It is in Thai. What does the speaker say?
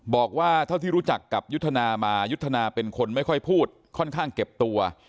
บอกว่าเท่าที่รู้จักกับยุทธนามายุทธนาเป็นคนไม่ค่อยพูดค่อนข้างเก็บตัว